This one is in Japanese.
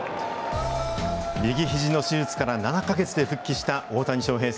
右ひじの手術から７か月で復帰した大谷翔平選手。